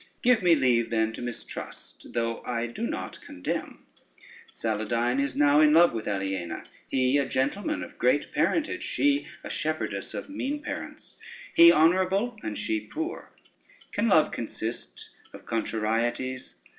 Give me leave then to mistrust, though I do not condemn. Saladyne is now in love with Aliena, he a gentleman of great parentage, she a shepherdess of mean parents; he honorable and she poor? Can love consist of contrarieties?